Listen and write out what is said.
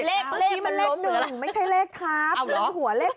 เลขมันเลข๑ไม่ใช่เลขทับหัวเลข๑